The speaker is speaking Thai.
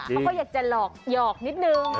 เขาอยากจะหยอกนิดนึง